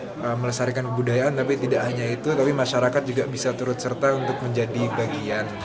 saya merasa sangat senang bisa melesarkan kebudayaan tapi tidak hanya itu tapi masyarakat juga bisa turut serta untuk menjadi bagian